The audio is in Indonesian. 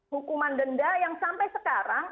hukuman denda yang sampai sekarang